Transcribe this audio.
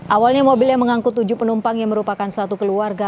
awalnya mobil yang mengangkut tujuh penumpang yang merupakan satu keluarga